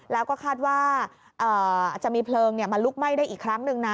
แล้วก็คาดว่าอาจจะมีเพลิงมาลุกไหม้ได้อีกครั้งหนึ่งนะ